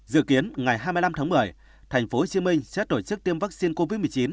dự kiến ngày hai mươi năm tháng một mươi tp hcm sẽ tổ chức tiêm vaccine covid một mươi chín